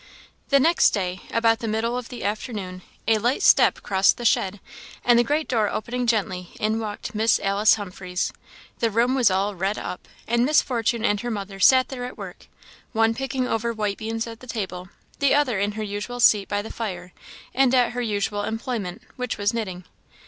The next day, about the middle of the afternoon, a light step crossed the shed, and the great door opening gently, in walked Miss Alice Humphreys. The room was all "redd up," and Miss Fortune and her mother sat there at work; one picking over white beans at the table, the other in her usual seat by the fire, and at her usual employment, which was knitting.